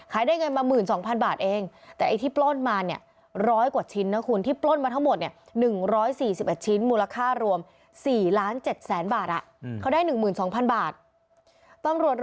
ขายได้เงินมา๑๒๐๐๐บาทเอง